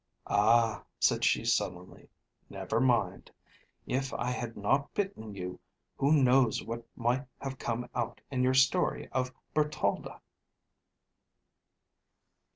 "Ah," said she sullenly, "never mind. If I had not bitten you, who knows what might have come out in your story of Bertalda?"